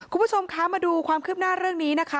คุณผู้ชมคะมาดูความคืบหน้าเรื่องนี้นะคะ